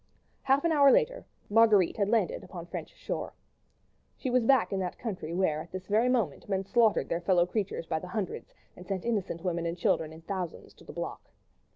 Half an hour later Marguerite had landed upon French shore. She was back in that country where at this very moment men slaughtered their fellow creatures by the hundreds, and sent innocent women and children in thousands to the block.